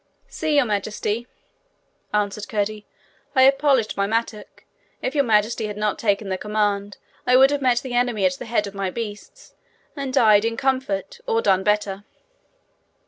'See, Your Majesty,' answered Curdie; 'I have polished my mattock. If Your Majesty had not taken the command, I would have met the enemy at the head of my beasts, and died in comfort, or done better.'